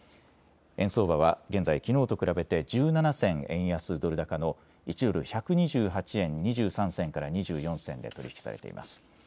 円相場は現在、きのうと比べて１７銭円安ドル高の１ドル１２８円２３銭から２４銭で取り引きされてます。